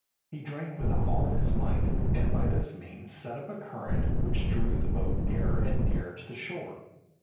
He drank with all his might, and by this means set up a current which drew the boat nearer and nearer to the shore.